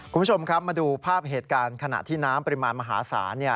คุณผู้ชมครับมาดูภาพเหตุการณ์ขณะที่น้ำปริมาณมหาศาล